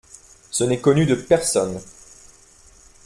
Ce n’est connu de personne.